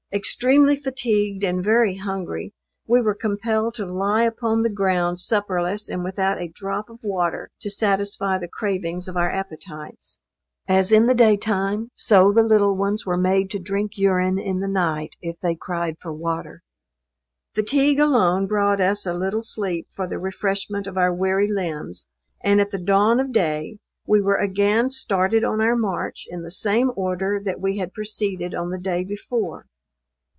Extremely fatigued, and very hungry, we were compelled to lie upon the ground supperless and without a drop of water to satisfy the cravings of our appetites. As in the day time, so the little ones were made to drink urine in the night if they cried for water. Fatigue alone brought us a little sleep for the refreshment of our weary limbs; and at the dawn of day we were again started on our march in the same order that we had proceeded on the day before.